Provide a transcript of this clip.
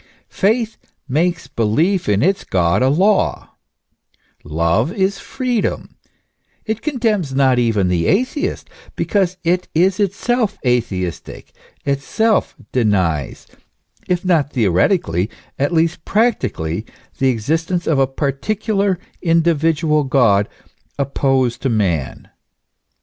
Faith makes belief in its God a law : love is freedom, it condemns not even the atheist, because it is itself atheistic, itself denies, if not theoretically, at least practically, the exist ence of a particular, individual God, opposed to man.